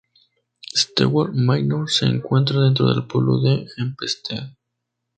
Stewart Manor se encuentra dentro del pueblo de Hempstead.